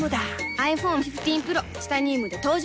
ｉＰｈｏｎｅ１５Ｐｒｏ チタニウムで登場